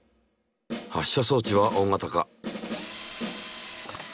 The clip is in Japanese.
発射装置は大型化。